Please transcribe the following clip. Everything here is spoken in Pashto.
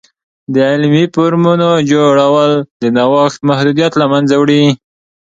د علمي فورمونو جوړول، د نوښت محدودیت له منځه وړي.